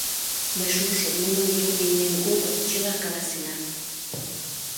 — Мый шошым, нунын деке мийымем годым, чыла каласенам.